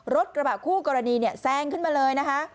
รถกระบะคู่กรณีเนี่ยแซงขึ้นมาเลยนะคะ